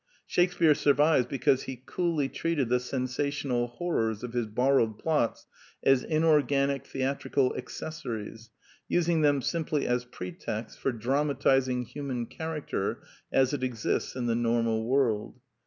Shakespear survives because he coolly treated the sensational horrors of his borrowed plots as inorganic theatrical ac cessories, using them simply as pretexts for dram atizing human character as it exists in the normal world.